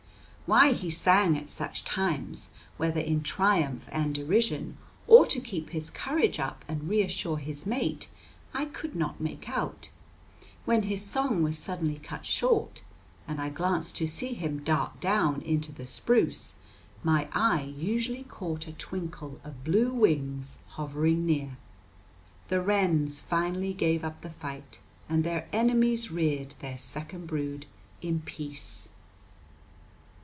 Why he sang at such times, whether in triumph and derision, or to keep his courage up and reassure his mate, I could not make out. When his song was suddenly cut short, and I glanced to see him dart down into the spruce, my eye usually caught a twinkle of blue wings hovering near. The wrens finally gave up the fight, and their enemies reared their second brood in peace.